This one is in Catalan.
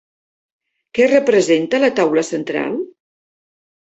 Què representa la taula central?